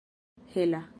hela